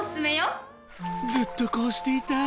ずっとこうしていたい。